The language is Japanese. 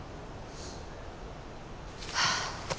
はあ。